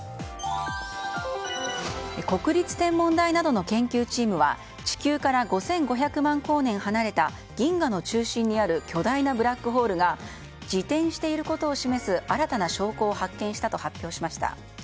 国立天文台などの研究チームは地球から５５００万光年離れた銀河の中心にある巨大なブラックホールが自転していることを示す、新たな証拠を発見したと発表しました。